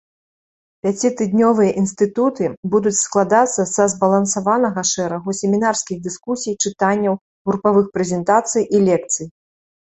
Пяцітыднёвыя інстытуты будуць складацца са збалансаванага шэрагу семінарскіх дыскусій, чытанняў, групавых прэзентацый і лекцый.